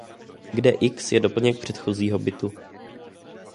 Kde „x“ je doplněk předchozího bitu.